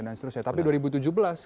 tapi dua ribu tujuh belas kita dikejauhkan